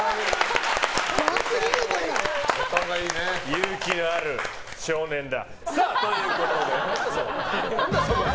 勇気のある少年だ。